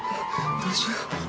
どうしよう！？